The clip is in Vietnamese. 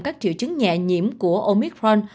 các triệu chứng nhẹ nhiễm của omicron